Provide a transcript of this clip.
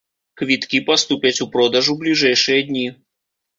Квіткі паступяць у продаж у бліжэйшыя дні.